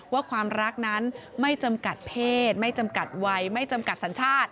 ว่าความรักนั้นไม่จำกัดเพศไม่จำกัดวัยไม่จำกัดสัญชาติ